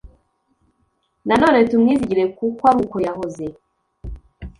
Na none tumwizigire kukw ar’uko yahoze.